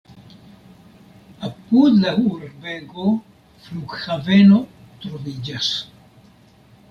Apud la urbego flughaveno troviĝas.